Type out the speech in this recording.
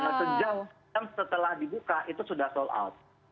karena sejam setelah dibuka itu sudah sold out